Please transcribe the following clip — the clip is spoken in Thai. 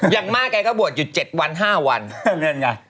อยากมากกายก็บวชอยู่๗วัน๕วัน